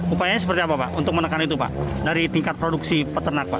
upayanya seperti apa pak untuk menekan itu pak dari tingkat produksi peternak pak